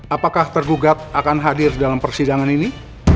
apakah tergugat akan hadir dalam persidangan ini